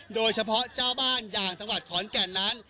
เจ้าบ้านอย่างจังหวัดขอนแก่นนั้น